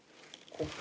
ここ？